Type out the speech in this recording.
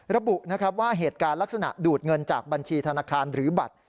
ระบุนะครับว่าเหตุการณ์ลักษณะดูดเงินจากบัญชีธนาคารหรือบัตร